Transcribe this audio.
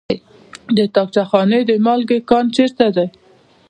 د طاقچه خانې د مالګې کان چیرته دی؟